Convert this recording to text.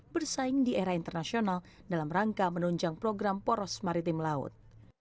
bersaing di era internasional dalam rangka menunjang program poros maritim laut